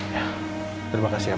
ya terima kasih ya pak